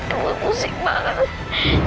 ibu pusing banget